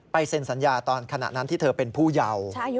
เซ็นสัญญาตอนขณะนั้นที่เธอเป็นผู้เยา